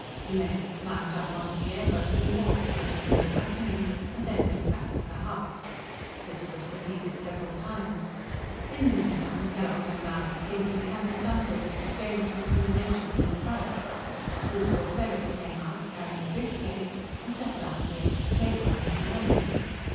Jimenez climbed up onto the airboat and Borch floated the load up to him and then went back into the huts. This was repeated several times. In the meantime, Kellogg and Mallin seemed to be having some sort of exchange of recriminations in front. Ruth Ortheris came out, carrying a briefcase, and sat down on the edge of a table under the awning.